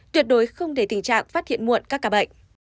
tuyệt đối không để tình trạng phát hiện muộn các ca bệnh